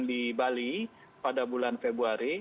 di bali pada bulan februari